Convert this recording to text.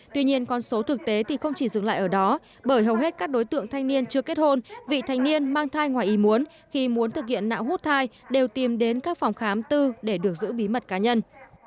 tuy nhiên con số thực tế thì không chỉ dừng lại ở đó bởi hầu hết các đối tượng thanh niên chưa kết hôn vị thanh niên mang thai ngoài ý muốn khi muốn thực hiện nạo hút thai đều tìm đến các phòng khám tư để được giữ bí mật cá nhân